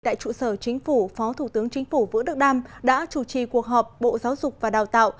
tại trụ sở chính phủ phó thủ tướng chính phủ vũ đức đam đã chủ trì cuộc họp bộ giáo dục và đào tạo